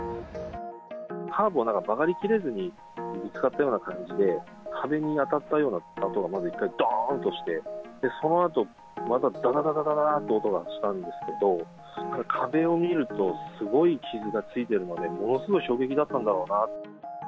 カーブをなんか曲がりきれずにぶつかったような感じで、壁に当たったような音がまず１回、どーんとして、そのあと、また、だだだだだだだと音がしたんですけど、壁を見ると、すごい傷がついてるので、ものすごい衝撃だったんだろうな。